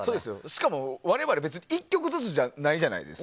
しかも我々１曲ずつじゃないじゃないですか。